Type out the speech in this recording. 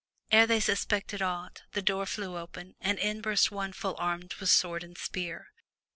Ere they suspected aught, the door flew open, and in burst one full armed with sword and spear.